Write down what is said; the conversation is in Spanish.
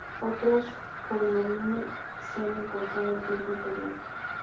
Otros "cognomina" se han encontrado en tiempo imperial.